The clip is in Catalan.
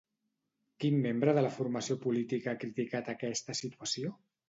Quin membre de la formació política ha criticat aquesta situació?